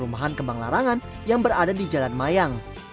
rumahan kembang larangan yang berada di jalan mayang